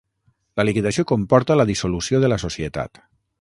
La liquidació comporta la dissolució de la societat.